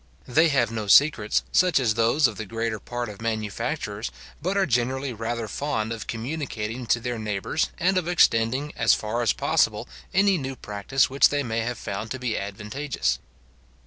They have no secrets, such as those of the greater part of manufacturers, but are generally rather fond of communicating to their neighbours, and of extending as far as possible any new practice which they may have found to be advantageous.